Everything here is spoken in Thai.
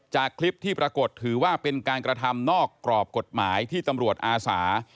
จากคลิปที่ปรากฏถือว่าเป็นการกระทำนอกกรอบกฎหมายที่ตำรวจอาสา